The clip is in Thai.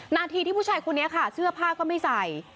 นาทีที่ผู้ชายคนนี้ค่ะเสื้อผ้าก็ไม่ใส่